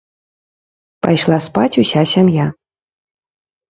Пайшла спаць уся сям'я.